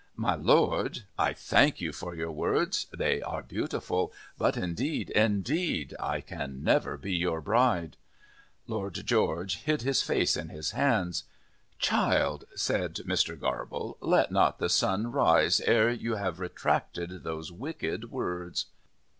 "My Lord, I thank you for your words. They are beautiful. But indeed, indeed, I can never be your bride." Lord George hid his face in his hands. "Child," said Mr. Garble, "let not the sun rise ere you have retracted those wicked words."